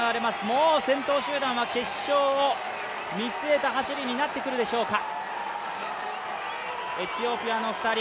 もう先頭集団は決勝を見据えた走りになってくるでしょうか。